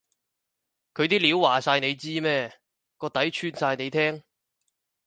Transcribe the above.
佢啲料話晒你知咩？個底穿晒你聽？